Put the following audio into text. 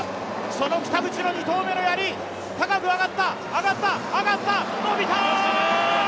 その北口の２投目のやり、高く上がった上がった、伸びた！